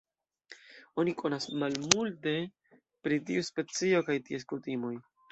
Oni konas malmulte pri tiu specio kaj ties kutimoj.